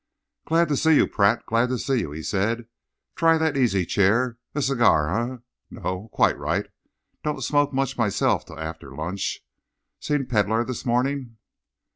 "Glad to see you, Pratt. Glad to see you," he said. "Try that easy chair. A cigar, eh? No? Quite right! Don't smoke much myself till after lunch. Seen Pedlar this morning?"